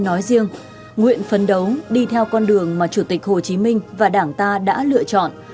nói riêng nguyện phấn đấu đi theo con đường mà chủ tịch hồ chí minh và đảng ta đã lựa chọn